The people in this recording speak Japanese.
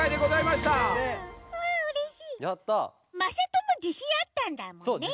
まさともじしんあったんだもんね。